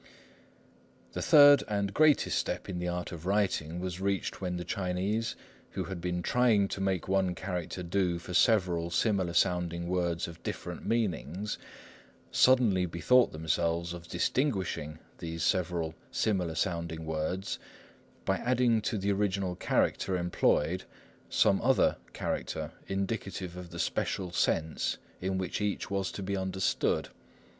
The third and greatest step in the art of writing was reached when the Chinese, who had been trying to make one character do for several similar sounding words of different meanings, suddenly bethought themselves of distinguishing these several similar sounding words by adding to the original character employed some other character indicative of the special sense in which each was to be understood.